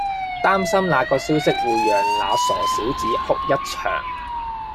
擔心那個消息會讓那傻小子哭一場